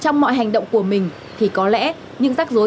trong mọi hành động của mình thì có lẽ nhưng rắc rối